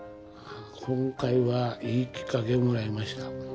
今回はいいきっかけもらえました。